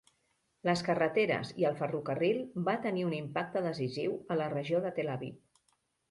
Les carreteres i el ferrocarril va tenir un impacte decisiu a la regió de Tel Aviv.